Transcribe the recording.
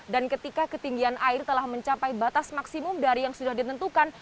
ketika ketinggian air telah mencapai batas maksimum dari yang sudah ditentukan